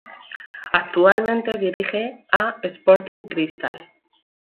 Actualmente dirige a Sporting Cristal.